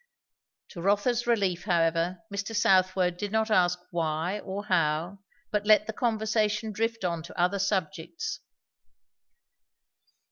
To Rotha's relief however, Mr. Southwode did not ask why or how, but let the conversation drift on to other subjects.